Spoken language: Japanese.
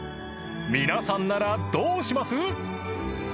［皆さんならどうします？］